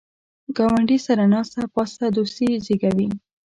ګاونډي سره ناسته پاسته دوستي زیږوي